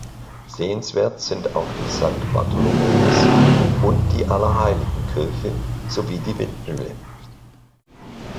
Sehenswert sind auch die Sankt-Bartholomäus- und die Allerheiligenkirche sowie die Windmühle.